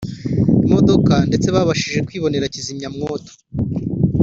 imodoka ndetse babashije kwibonera kizimyamwoto